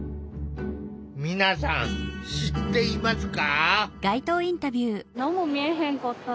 皆さん知っていますか？